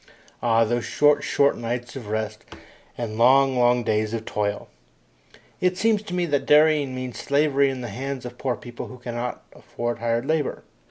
Ah, those short, short nights of rest and long, long days of toil! It seems to me that dairying means slavery in the hands of poor people who cannot afford hired labour.